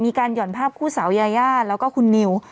หย่อนภาพคู่สาวยายาแล้วก็คุณนิว